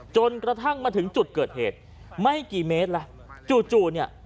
จนกระทั่งมาถึงจุดเกิดเหตุไม่กี่เมตรล่ะจู่เนี่ย